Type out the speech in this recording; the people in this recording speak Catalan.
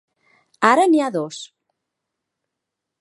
Ara n'hi ha dos.